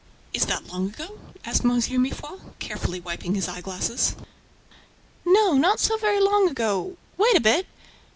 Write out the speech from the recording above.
"Is that long ago?" asked M. Mifroid, carefully wiping his eye glasses. "No, not so very long ago ... Wait a bit!